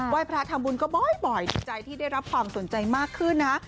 พระทำบุญก็บ่อยดีใจที่ได้รับความสนใจมากขึ้นนะ